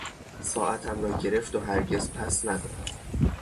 ساعتم را گرفت و هرگز پس نداد.